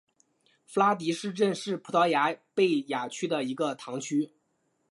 弗拉迪什镇是葡萄牙贝雅区的一个堂区。